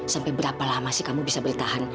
sampai berapa lama sih kamu bisa bertahan